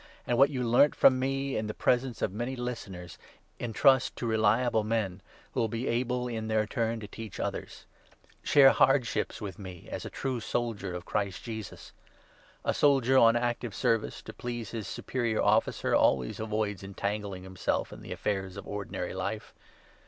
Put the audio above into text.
an(j wnat you learnt from me, in the presence of 2 many listeners, entrust to reliable men, who will be able in their turn to teach others. Share hardships with me, as a 3 true soldier of Christ Jesus. A soldier on active service, to 4 please his superior officer, always avoids entangling himself in the affairs of ordinary life.